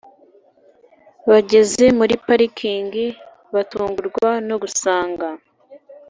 bageze muri parking batungurwa no gusanga